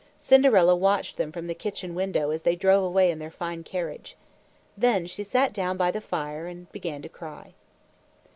Cinderella watched them from the kitchen window as they drove away in their fine carriage. Then she sat down by the fire and began to cry.